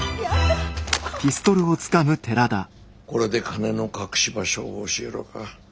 これで金の隠し場所を教えろか。